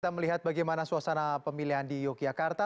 kita melihat bagaimana suasana pemilihan di yogyakarta